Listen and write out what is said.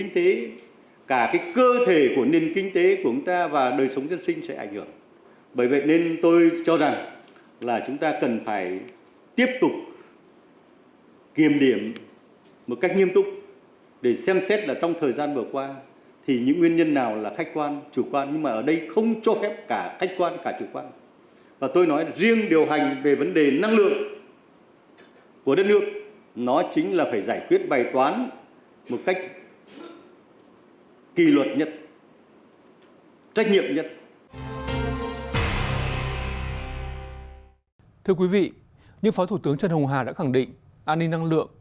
thưa quý vị như phó thủ tướng trần hùng hà đã khẳng định an ninh năng lượng